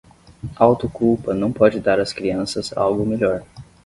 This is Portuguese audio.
Auto-culpa não pode dar às crianças algo melhor